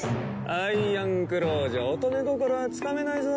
アイアンクローじゃ乙女心はつかめないぞ。